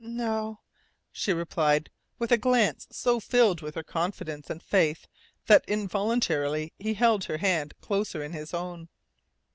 "No," she replied, with a glance so filled with her confidence and faith that involuntarily he held her hand closer in his own.